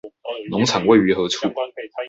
農場位於何處？